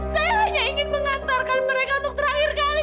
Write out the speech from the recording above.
saya hanya ingin mengantarkan mereka untuk terakhir kali